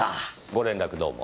ご連絡どうも。